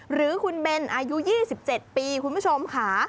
หรือคุณเบนอายุ๒๗ปีคุณผู้ชมค่ะ